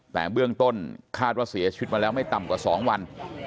แต่เบื้องต้นคาดว่าเสียชีวิตมาแล้วไม่ต่ำกว่า๒วัน